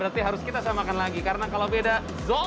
berarti harus kita samakan lagi karena kalau beda zola